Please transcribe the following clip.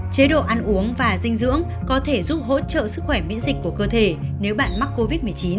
chế độ ăn uống và dinh dưỡng có thể giúp hỗ trợ sức khỏe miễn dịch của cơ thể nếu bạn mắc covid một mươi chín